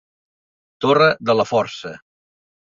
Torre de la força